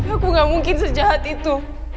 aku gak mungkin sejahat itu